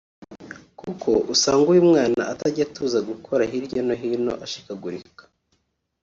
kuko usanga uyu mwana atajya atuza gukora hirya no hino ashikagurika”